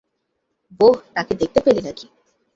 বোহ, তাকে দেখতে পেলে নাকি?